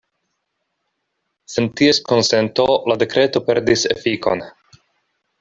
Sen ties konsento la dekreto perdis efikon.